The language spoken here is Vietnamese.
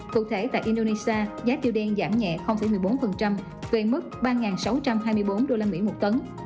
cụ thể tại indonesia giá tiêu đen giảm nhẹ một mươi bốn về mức ba sáu trăm hai mươi bốn đô la mỹ một tấn